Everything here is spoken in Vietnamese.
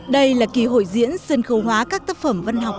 đây là kỳ hội diễn sân khấu hóa các tác phẩm văn học